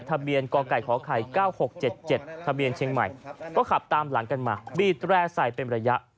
ทะเบียนกไก่ขไข่๙๖๗๗ทะเบียนเชียงใหม่ก็ขับตามหลังกันมาบีดแร่ใส่เป็นระยะ